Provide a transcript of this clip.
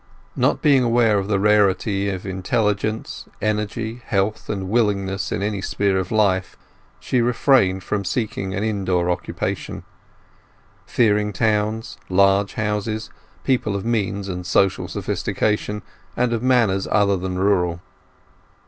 Not being aware of the rarity of intelligence, energy, health, and willingness in any sphere of life, she refrained from seeking an indoor occupation; fearing towns, large houses, people of means and social sophistication, and of manners other than rural.